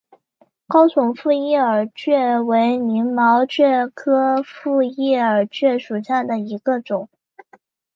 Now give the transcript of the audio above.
高耸复叶耳蕨为鳞毛蕨科复叶耳蕨属下的一个种。